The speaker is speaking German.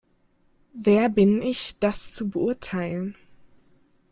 Wer bin ich, das zu beurteilen?